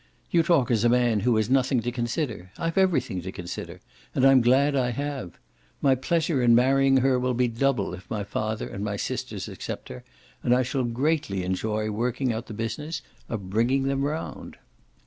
You talk as a man who has nothing to consider. I've everything to consider and I'm glad I have. My pleasure in marrying her will be double if my father and my sisters accept her, and I shall greatly enjoy working out the business of bringing them round."